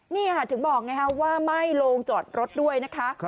นี่ค่ะถึงบอกไงฮะว่าไหม้โรงจอดรถด้วยนะคะ